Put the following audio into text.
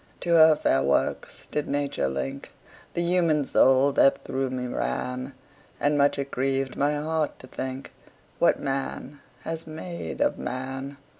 To her fair works did Nature link The human soul that through me ran; And much it grieved my heart to think What man has made of man.